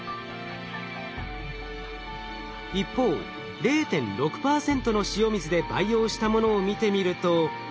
一方０．６％の塩水で培養したものを見てみると。